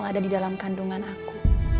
ada di dalam kandungan aku